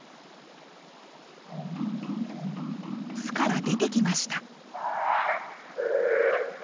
巣から出てきました。